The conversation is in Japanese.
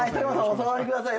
お座りください。